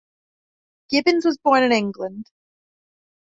Gibbons was born in England.